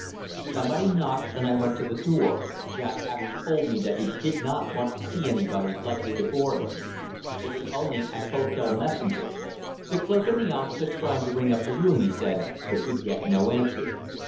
Somebody knocked, and I went to the door, Jack having told me that he did not want to see anybody likely to bore him. It was only an hotel messenger. The clerk in the office had tried to ring up the room, he said, but could get no answer.